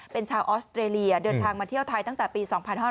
เป็นชาวออสเตรเลียเดินทางมาเที่ยวไทยตั้งแต่ปี๒๕๕๙